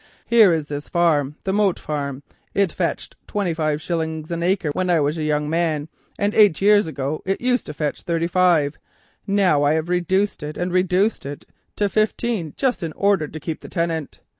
"Here is the farm, the Moat Farm. It fetched twenty five shillings an acre when I was a young man, and eight years ago it used to fetch thirty five. Now I have reduced it and reduced it to fifteen, just in order to keep the tenant.